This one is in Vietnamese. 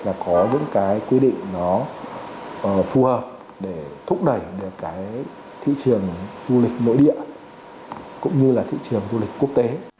và có những cái quy định nó phù hợp để thúc đẩy được cái thị trường du lịch nội địa cũng như là thị trường du lịch quốc tế